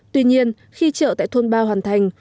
tuy nhiên khi chợ tại thôn ba hoàn thành